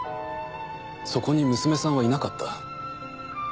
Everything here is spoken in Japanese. そこに娘さんはいなかった。